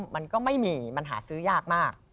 มันก็ไม่มีหาซื้ออย่างยากมาก